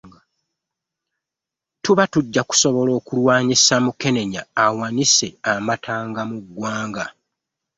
Tuba tujja kusobola okulwanyisa Mukenenya awanise amatanga mu ggwanga.